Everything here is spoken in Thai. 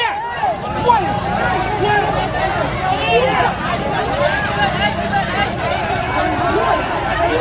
เฮียเฮียเฮีย